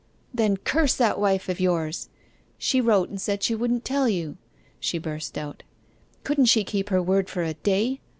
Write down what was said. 'Then curse that wife of yours! She wrote and said she wouldn't tell you!' she burst out. 'Couldn't she keep her word for a day?